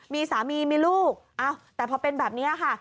มีสามีมีลูกแต่พอเป็นแบบนี้ค่ะ